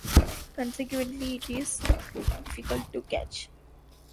Consequently, it is difficult to catch.